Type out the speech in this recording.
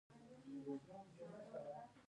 دېرش, یودېرش, دودېرش, دریدېرش, څلوردېرش, پنځهدېرش